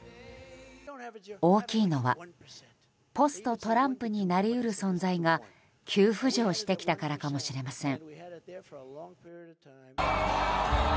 大きいのはポストトランプになり得る存在が急浮上してきたからかもしれません。